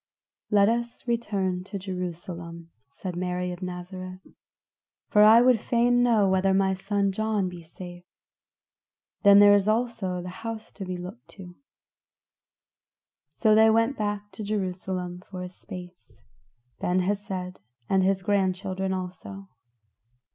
"Let us return to Jerusalem," said Mary of Nazareth, "for I would fain know whether my son John be safe; then there is also the house to be looked to." So they went back to Jerusalem for a space. Ben Hesed and his grandchildren also.